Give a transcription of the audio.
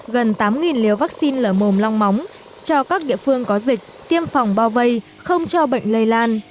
gần tám liều vaccine lở mồm long móng cho các địa phương có dịch tiêm phòng bao vây không cho bệnh lây lan